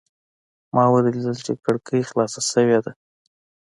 ما ولیدل چې کړکۍ خلاصه شوې ده.